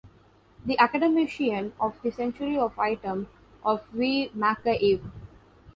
The academician of the century of Item of V. Makeyev.